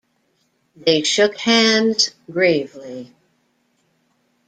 They shook hands gravely.